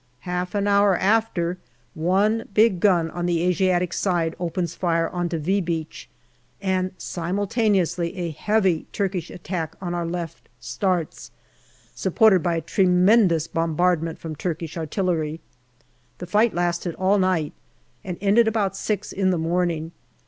Half an hour after, one big gun on the Asiatic side opens fire on to " V " Beach, and simultaneously a heavy Turkish attack on our left starts, supported by a tremendous bombardment from Turkish artillery. The fight lasted all night, and ended about six in the morning.